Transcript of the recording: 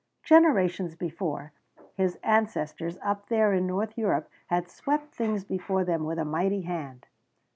Generations before, his ancestors up there in North Europe had swept things before them with a mighty hand.